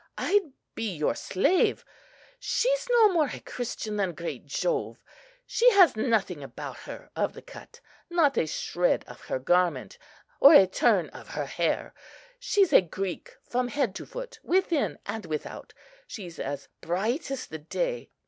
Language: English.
—I'd be your slave! She's no more a Christian than great Jove. She has nothing about her of the cut;—not a shred of her garment, or a turn of her hair. She's a Greek from head to foot—within and without. She's as bright as the day!